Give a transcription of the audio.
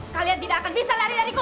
kalian tidak akan bisa lari lariku